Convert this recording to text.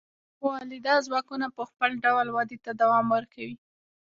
خو مؤلده ځواکونه په خپل ډول ودې ته دوام ورکوي.